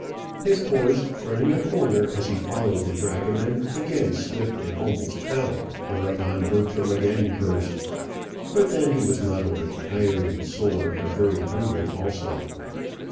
His horse turning a corner as he followed the dragoman again slipped and almost fell. Whereupon Bertram again cursed. But then he was not only tired and sore, but very hungry also.